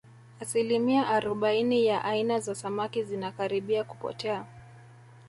asilimia arobaini ya aina za samaki zinakaribia kupotea